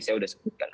saya udah sebutkan